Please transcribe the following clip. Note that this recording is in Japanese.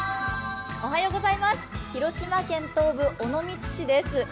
広島県東部・尾道市です。